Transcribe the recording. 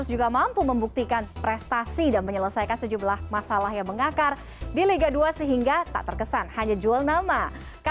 salam sehat salam olahraga